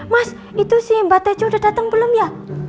mas itu si mbah tejo udah datang belum ya